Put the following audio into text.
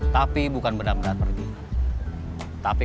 tapi bukan benar benar pergi